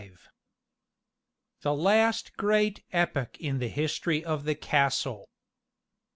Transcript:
V. The Last Great Epoch in the History of the Castle.